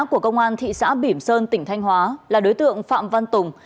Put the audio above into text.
của công an thị xã bỉm sơn tỉnh thanh hóa là đối tượng phạm văn tùng